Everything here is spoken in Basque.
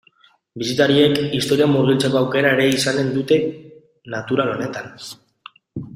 Bisitariek historian murgiltzeko aukera ere izanen dute gune natural honetan.